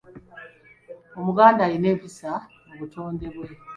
Omuganda ayina empisa mu butonde bwe.